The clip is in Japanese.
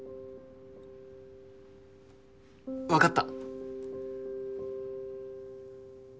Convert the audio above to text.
わかった！